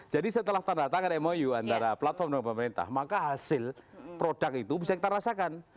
jadi setelah tanda tangan mou antara platform dan pemerintah maka hasil produk itu bisa kita rasakan